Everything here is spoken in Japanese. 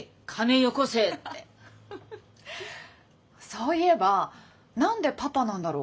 そういえば何で「パパ」なんだろ？